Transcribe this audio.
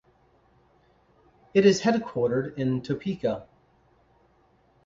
It is headquartered in Topeka.